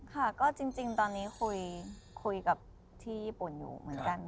ค่ะก็จริงตอนนี้คุยกับที่ญี่ปุ่นอยู่เหมือนกัน